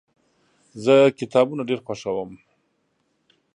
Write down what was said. زه کتابونه ډیر خوښوم.